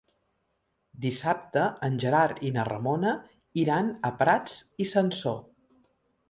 Dissabte en Gerard i na Ramona iran a Prats i Sansor.